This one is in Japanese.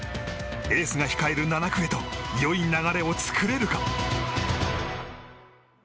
エースが控える７区へと良い流れを作れるか。